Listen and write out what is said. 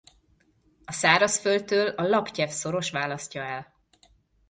A szárazföldtől a Laptyev-szoros választja el.